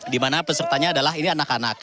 dimana pesertanya adalah ini anak anak